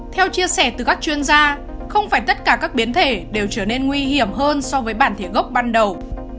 theo chia sẻ từ các chuyên gia không phải tất cả các biến thể đều trở nên nguy hiểm hơn so với bản thể gốc ban đầu